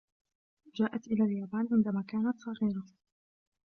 جاءت اإلى اليابان عندما كانت صغيرة.